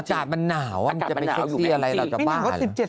อากาศมันหนาวจะไม่เซ็กซี่อะไรเราจะบ้าเหรอ